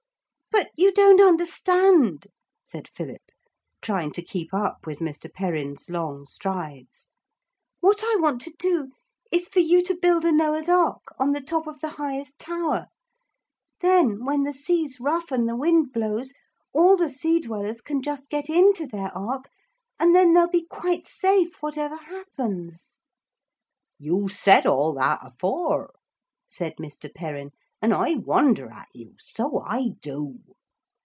'But you don't understand,' said Philip, trying to keep up with Mr. Perrin's long strides. 'What I want to do is for you to build a Noah's ark on the top of the highest tower. Then when the sea's rough and the wind blows, all the Sea Dwellers can just get into their ark and then they'll be quite safe whatever happens.' 'You said all that afore,' said Mr. Perrin, 'and I wonder at you, so I do.'